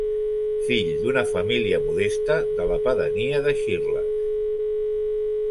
Fill d'una família modesta de la pedania de Xirles.